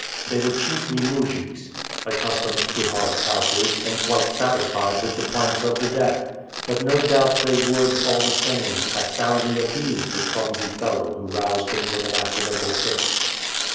They were chiefly mujiks, accustomed to hard couches, and quite satisfied with the planks of the deck. But no doubt they would, all the same, have soundly abused the clumsy fellow who roused them with an accidental kick.